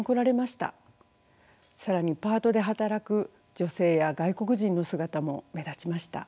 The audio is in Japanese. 更にパートで働く女性や外国人の姿も目立ちました。